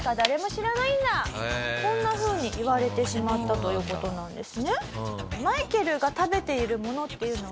こんなふうに言われてしまったという事なんですね。